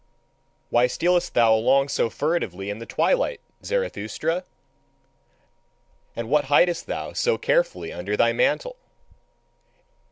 "Why stealest thou along so furtively in the twilight, Zarathustra? And what hidest thou so carefully under thy mantle?